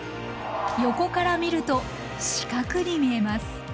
横から見ると四角に見えます。